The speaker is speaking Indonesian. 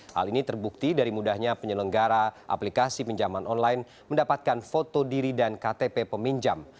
hal ini terbukti dari mudahnya penyelenggara aplikasi pinjaman online mendapatkan foto diri dan ktp peminjam